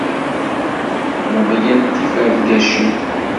Ledyent tifergacin.